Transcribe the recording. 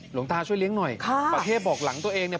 หลวงตาช่วยเลี้ยงหน่อยค่ะประเทศบอกหลังตัวเองเนี่ย